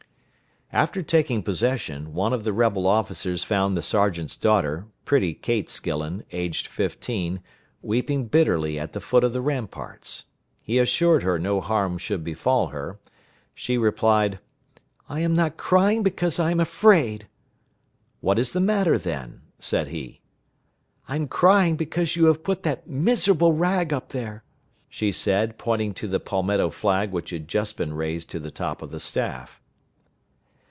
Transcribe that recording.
After taking possession, one of the rebel officers found the sergeant's daughter, pretty Kate Skillen, aged fifteen, weeping bitterly at the foot of the ramparts. He assured her no harm should befall her. She replied, "I am not crying because I am afraid!" "What is the matter, then?" said he. "I am crying because you have put that miserable rag up there," she said, pointing to the Palmetto flag which had just been raised to the top of the staff.